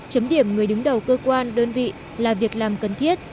chấm điểm người đứng đầu cơ quan đơn vị là việc làm cần thiết